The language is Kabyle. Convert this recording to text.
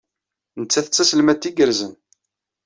Nettat d taselmadt igerrzen.